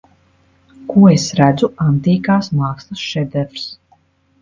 Ko es redzu Antīkās mākslas šedevrs.